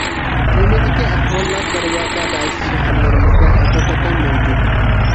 تېمىدىكى ئەھۋاللار دەرۋەقە بەزى شەھەرلىرىمىزدە ھەقىقەتەن مەۋجۇت.